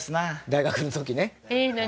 大学の時ね。